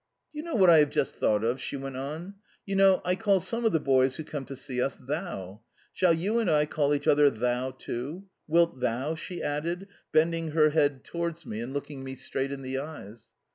"Do you know what I have just thought of?" she went on. "You know, I call some of the boys who come to see us THOU. Shall you and I call each other THOU too? Wilt THOU?" she added, bending her head towards me and looking me straight in the eyes.